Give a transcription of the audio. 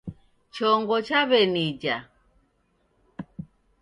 Chongo chawenija